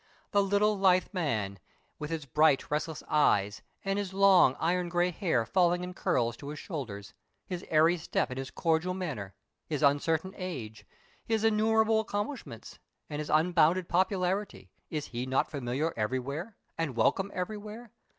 The little lithe man, with his bright, restless eyes, and his long iron gray hair falling in curls to his shoulders, his airy step and his cordial manner; his uncertain age, his innumerable accomplishments, and his unbounded popularity is he not familiar everywhere, and welcome everywhere?